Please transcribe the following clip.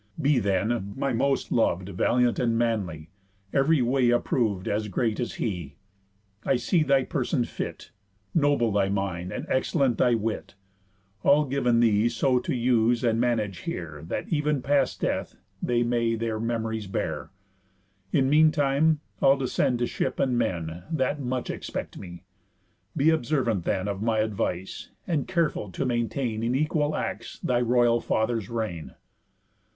Be then, my most lov'd, Valiant and manly, ev'ry way approv'd As great as he. I see thy person fit, Noble thy mind, and excellent thy wit, All giv'n thee so to use and manage here That ev'n past death they may their memories bear. In meantime I'll descend to ship and men, That much expect me. Be observant then Of my advice, and careful to maintain In equal acts thy royal father's reign."